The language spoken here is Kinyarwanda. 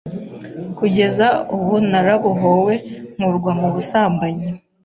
Kugeza ubu narabohowe nkurwa mu busambanyi